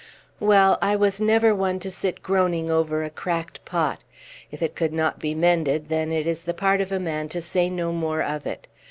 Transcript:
Well, I was never one to sit groaning over a cracked pot. If it could not be mended, then it is the part of a man to say no more of it.